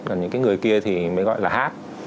còn những cái người kia thì mới gọi là hát